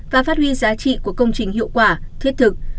và phát huy giá trị của công trình hiệu quả thiết thực